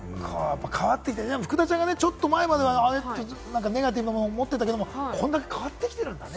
福田ちゃんがちょっと前、ネガティブなものを持ってたけれど、こんだけ変わってきてるんだね。